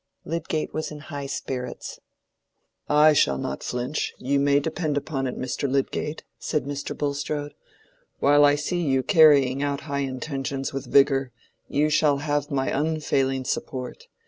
Lydgate was in high spirits. "I shall not flinch, you may depend upon it, Mr. Lydgate," said Mr. Bulstrode. "While I see you carrying out high intentions with vigor, you shall have my unfailing support.